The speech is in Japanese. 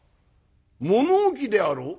物置であろう？」。